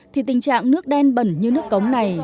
thì tình trạng nước đen bẩn như nước cống này